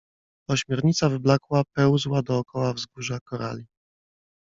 Ośmiornica wyblakła pełzła dookoła wzgórza korali.